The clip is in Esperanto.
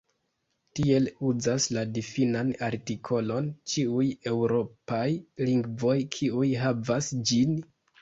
Tiel uzas la difinan artikolon ĉiuj eŭropaj lingvoj kiuj havas ĝin.